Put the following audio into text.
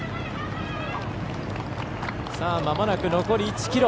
まもなく残り１ｋｍ。